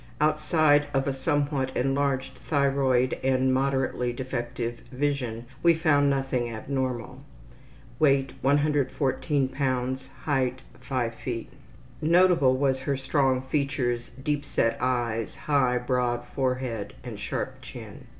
Outside of a somewhat enlarged thyroid and moderately defective vision, we found nothing abnormal. Weight 114 lbs.; height 5 ft. Notable was her strong features, deep set eyes, high, broad forehead and sharp chin.